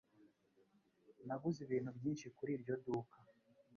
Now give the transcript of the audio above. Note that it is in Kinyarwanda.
Naguze ibintu byinshi kuri iryo duka.